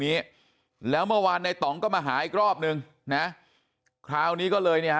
นี้แล้วเมื่อวานในต่องก็มาหาอีกรอบนึงนะคราวนี้ก็เลยเนี่ยฮ